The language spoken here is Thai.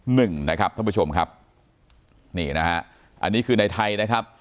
หนึ่งนะครับท่านผู้ชมครับนี่นะฮะอันนี้คือในไทยนะครับ